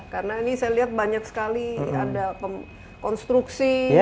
karena ini saya lihat banyak sekali ada konstruksi